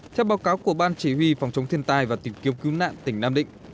theo báo cáo của ban chỉ huy phòng chống thiên tai và tìm kiếm cứu nạn tỉnh nam định